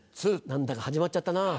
何だか始まっちゃったなぁ。